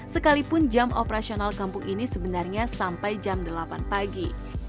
sekalipun jam operasional kampung ini sebenarnya sampai jam delapan pagi